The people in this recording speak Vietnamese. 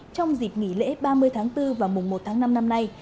trong dịp nghỉ lễ ba mươi tháng bốn và mùng một tháng năm năm nay